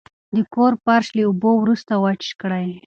د کور فرش له اوبو وروسته وچ کړئ.